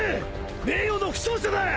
名誉の負傷者だ！